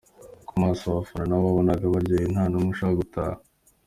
Ku maso, abafana na bo wabonaga baryohewe nta n’umwe ushaka gutaha.